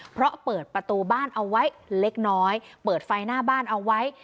เพราะเปิดประตูบ้านเอาไว้เล็กน้อยเปิดไฟหน้าบ้านเอาไว้